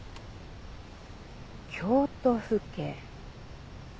京都府警。